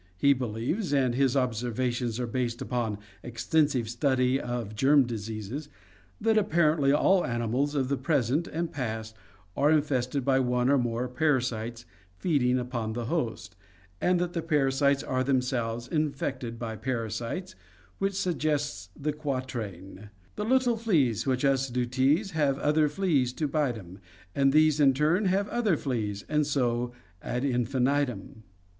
He believes, and his observations are based upon extensive study of germ diseases, that apparently all animals of the present and past are infested by one or more parasites feeding upon the host, and that the parasites are themselves infected by parasites, which suggests the quatrain: "The little fleas which us do tease Have other fleas to bite 'em, And these in turn have other fleas, And so — ad infinitum."